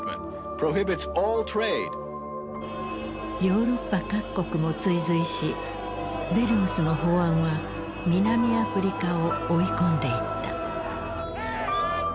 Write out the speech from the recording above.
ヨーロッパ各国も追随しデルムスの法案は南アフリカを追い込んでいった。